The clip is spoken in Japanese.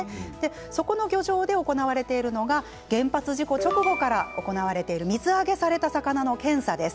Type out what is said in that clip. そこの漁場で行われているのが原発事故直後から行われている水揚げされた魚の検査です。